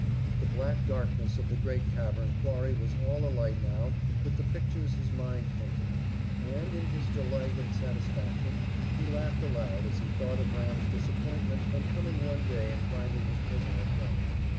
The black darkness of the great cavern quarry was all alight now with the pictures his mind painted, and, in his delight and satisfaction, he laughed aloud as he thought of Ram's disappointment on coming one day and finding his prisoner flown.